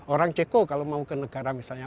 orang ceko kalau mau ke negara misalnya